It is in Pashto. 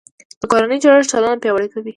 د کورنۍ جوړښت ټولنه پیاوړې کوي